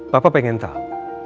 papa pengen tahu